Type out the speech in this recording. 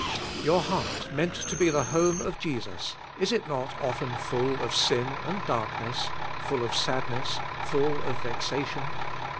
Your heart, meant to be the home of Jesus, is it not often full of sin and dark ness, full of sadness, full of vexation?